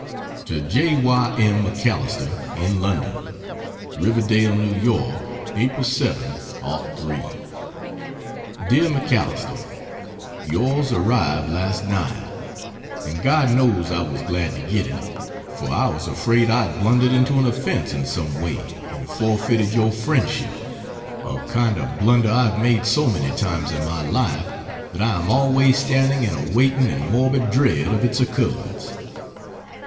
To J. Y. M. MacAlister, in London: RIVERDALE, NEW YORK. April, 7, '03. DEAR MACALISTER, Yours arrived last night, and God knows I was glad to get it, for I was afraid I had blundered into an offence in some way and forfeited your friendship a kind of blunder I have made so many times in my life that I am always standing in a waiting and morbid dread of its occurrence.